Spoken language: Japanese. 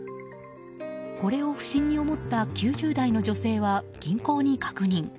これを不審に思った９０代の女性は銀行に確認。